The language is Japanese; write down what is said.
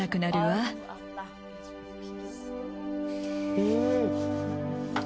うん。